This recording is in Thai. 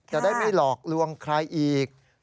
จะได้ไม่หลอกลวงใครอีก